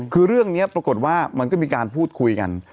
คือเรื่องนี้ปรากฏว่ามันก็มีการพูดคุยกัน